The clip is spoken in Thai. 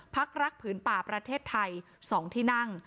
พักรักผืนป่าประเทศไทย๒ที่นั่ง